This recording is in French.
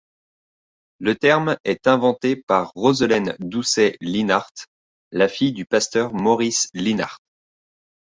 Le terme est inventé par Roselène Dousset-Leenhardt, la fille du pasteur Maurice Leenhardt.